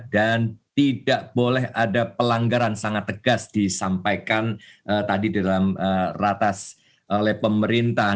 dan tidak boleh ada pelanggaran sangat tegas disampaikan tadi di dalam ratas oleh pemerintah